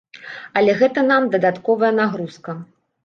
Але гэта нам дадатковая нагрузка.